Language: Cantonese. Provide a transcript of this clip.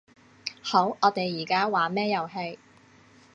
好，我哋而家玩咩遊戲